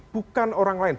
bukan orang lain